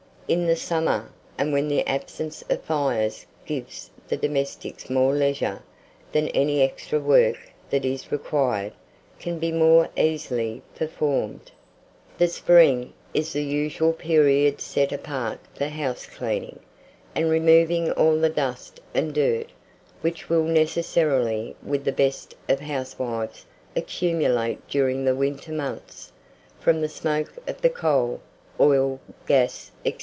In the summer, and when the absence of fires gives the domestics more leisure, then any extra work that is required, can be more easily performed. The spring is the usual period set apart for house cleaning, and removing all the dust and dirt, which will necessarily, with the best of housewives, accumulate during the winter months, from the smoke of the coal, oil, gas, &c.